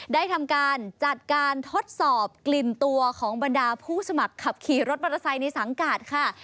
ได้ทำการจัดการทดสอบกลิ่นตัวของบรรดาผู้สมัครขับขี่รถมอเตอร์ไซค์ในสังกัดค่ะ